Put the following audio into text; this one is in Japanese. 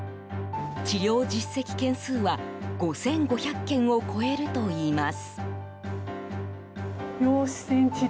治療実績件数は５５００件を超えるといいます。